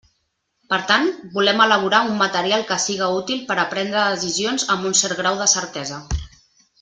Per tant, volem elaborar un material que siga útil per a prendre decisions amb un cert grau de certesa.